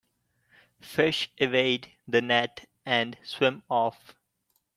Fish evade the net and swim off.